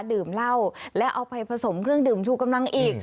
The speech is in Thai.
ดื่มเหล้าแล้วเอาไปผสมเครื่องดื่มชูกำลังอีก